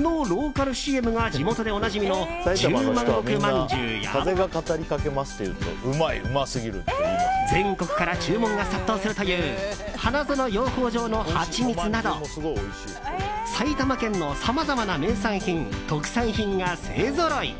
の、ローカルＣＭで地元でおなじみの十万石まんじゅうや全国から注文が殺到するという花園養蜂場のハチミツなど埼玉県のさまざまな名産品特産品が勢ぞろい。